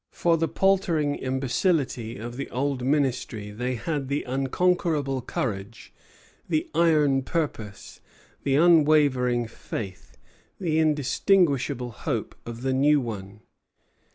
For the paltering imbecility of the old Ministry they had the unconquerable courage, the iron purpose, the unwavering faith, the inextinguishable hope, of the new one.